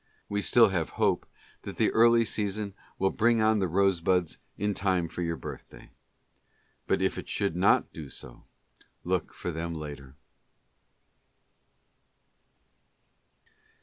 We still have a hope that the early season will bring on the rosebuds in time for your birthday. But if it should not do so, look for them later.